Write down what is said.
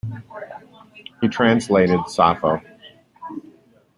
He translated Sappho.